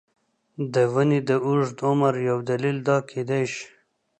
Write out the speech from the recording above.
د ونې د اوږد عمر یو دلیل دا کېدای شي.